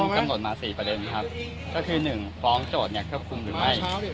กำหนดมาสี่ประเด็นครับก็คือหนึ่งฟ้องโจทย์เนี่ยเครื่องคุมหรือไม่